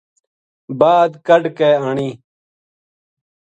بعد کڈھ کے آنی